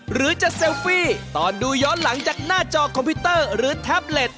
หรือจะเซลฟี่ตอนดูย้อนหลังจากหน้าจอคอมพิวเตอร์หรือแท็บเล็ต